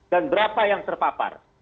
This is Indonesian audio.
dan berapa yang terpapar